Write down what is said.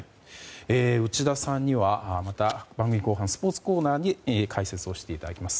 内田さんには番組後半スポーツコーナーに解説していただきます。